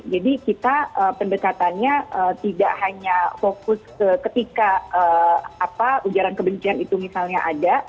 jadi kita pendekatannya tidak hanya fokus ketika ujaran kebencian itu misalnya ada